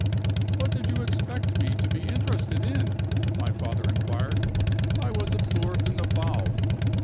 "What did you expect me to be interested in?" my father inquired. "I was absorbed in the fowl.